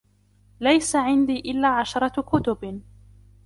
ليس عندي إلا عشرة كتب.